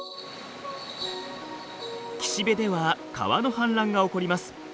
岸辺では川の氾濫が起こります。